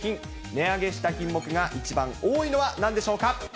値上げした品目が一番多いのはなんでしょうか。